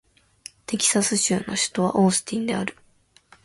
テキサス州の州都はオースティンである